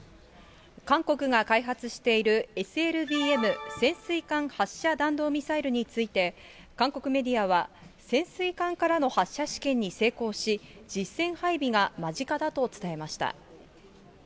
韓国が開発している、ＳＬＢＭ・潜水艦発射弾道ミサイルについて、韓国メディアは、潜水艦からの発射試験に成功し、実戦配備が間近だと伝えました。